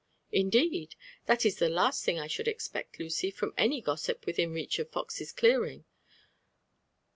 '''* Indeed 1 — That is the last thing I should expect, Lucy^ from aay gossip within reach of Fox's clearing.